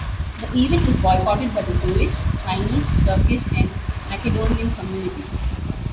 The event was boycotted by the Jewish, Chinese, Turkish, and Macedonian communities.